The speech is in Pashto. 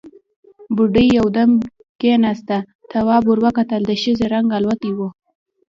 بوډۍ يودم کېناسته، تواب ور وکتل، د ښځې رنګ الوتی و.